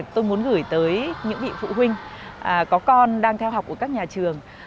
tôi muốn gửi tới những vị phụ huynh có con đang theo học ở các nhà trường